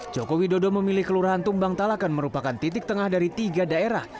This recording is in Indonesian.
jokowi dodo memilih kelurahan tumbang talaken merupakan titik tengah dari tiga daerah